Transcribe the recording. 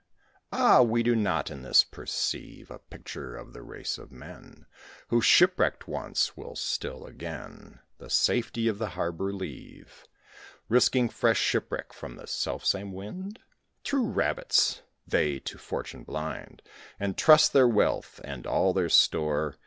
Ah! do we not in this perceive A picture of the race of men Who, shipwrecked once, will still again The safety of the harbour leave, Risking fresh shipwreck from the selfsame wind? True Rabbits! They, to fortune blind, Entrust their wealth, and all their store!